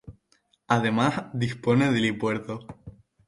Además, dispone de helipuerto.